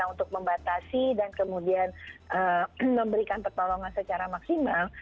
untuk membatasi dan kemudian memberikan pertolongan secara maksimal